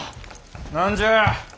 何じゃ。